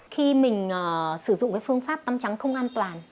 khi mình sử dụng cái phương pháp tăm trắng không an toàn